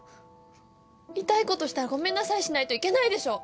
痛いことしたらごめんなさいしないといけないでしょ。